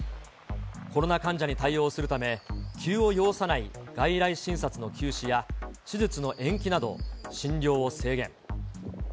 コロナ患者に対応するため、急を要さない外来診察の休止や、手術の延期など、診療を制限。